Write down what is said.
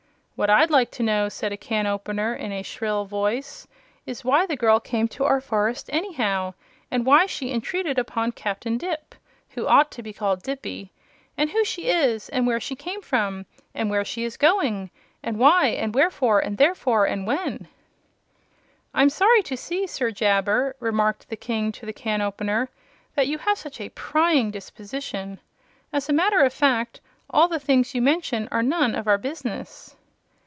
"What I'd like to know," said a can opener, in a shrill voice, "is why the little girl came to our forest anyhow and why she intruded upon Captain Dipp who ought to be called Dippy and who she is, and where she came from, and where she is going, and why and wherefore and therefore and when." "I'm sorry to see, Sir Jabber," remarked the King to the can opener, "that you have such a prying disposition. As a matter of fact, all the things you mention are none of our business."